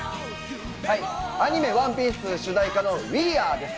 アニメ「ＯＮＥＰＩＥＣＥ」の主題歌の「ウィーアー！」です。